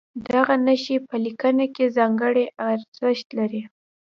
دغه نښې په لیکنه کې ځانګړی ارزښت لري.